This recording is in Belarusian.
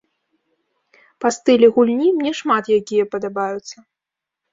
Па стылі гульні мне шмат якія падабаюцца.